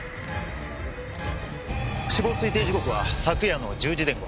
死亡推定時刻は昨夜の１０時前後。